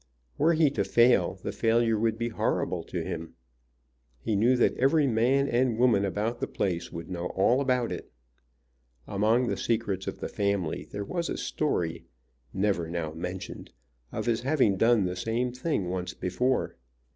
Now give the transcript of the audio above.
Were he to fail the failure would be horrible to him. He knew that every man and woman about the place would know all about it. Among the secrets of the family there was a story, never now mentioned, of his having done the same thing, once before.